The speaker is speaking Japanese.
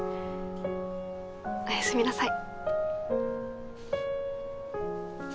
おやすみなさい。